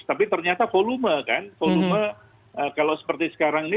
tapi ternyata volume kan volume kalau seperti sekarang ini